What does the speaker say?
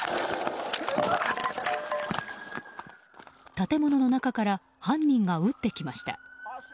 建物の中から犯人が撃ってきました。